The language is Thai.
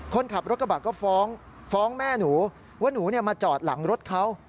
คนขับรถกระบะก็ฟ้องแม่หนูว่าหนูมาจอดหลังรถเขา